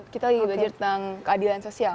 kita lagi belajar tentang keadilan sosial